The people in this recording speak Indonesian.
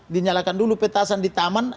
dinyalakan dulu petasan di taman